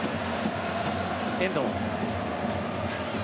遠藤。